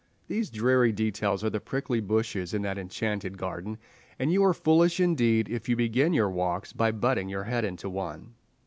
These dreary details are the prickly bushes in that enchanted garden, and you are foolish indeed if you begin your walks by butting your head into one.